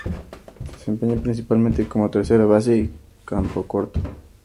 Se desempeña principalmente como tercera base y campocorto.